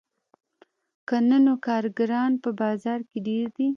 که نه نو کارګران په بازار کې ډېر دي